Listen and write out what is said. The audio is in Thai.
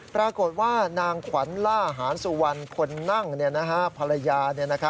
ปรากฏว่านางขวัญล่าหานสุวรรณคนนั่งภรรยา